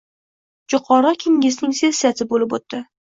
Jo‘qorg‘i Kengesning sessiyasi bo‘lib o‘tdi